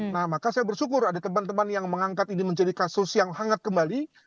nah maka saya bersyukur ada teman teman yang mengangkat ini menjadi kasus yang hangat kembali